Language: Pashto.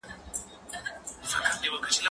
زه به اوږده موده ونې ته اوبه ورکړې وم،